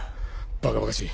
バカバカしい。